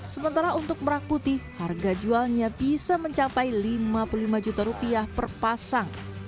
sementara untuk merah putih harga jualnya bisa mencapai lima puluh lima juta rupiah per pasang